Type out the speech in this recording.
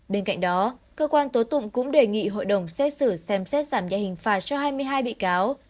bên cạnh đó cơ quan tố tụng cũng đề nghị hội đồng xét xử xem xét giảm nhẹ hình phạt cho hai mươi hai bị cáo